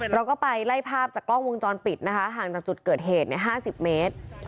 เราก็ไปไล่ภาพจากกล้องวงจรปิดนะคะห่างจากจุดเกิดเหตุ๕๐เมตร